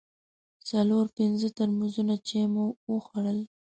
څلور پنځه ترموزان چای مو وخوړل.